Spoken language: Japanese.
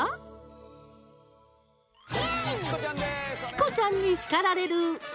「チコちゃんに叱られる！」。